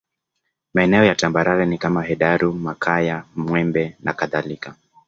Maeneo ya tambarare ni kama Hedaru Makanya Mwembe na kadhalika